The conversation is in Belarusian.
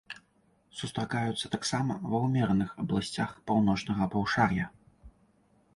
Сустракаюцца таксама ва ўмераных абласцях паўночнага паўшар'я.